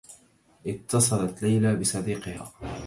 اتّصلت ليلى بصديقها.